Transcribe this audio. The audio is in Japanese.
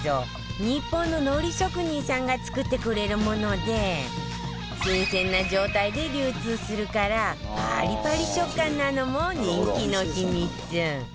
日本の海苔職人さんが作ってくれるもので新鮮な状態で流通するからパリパリ食感なのも人気の秘密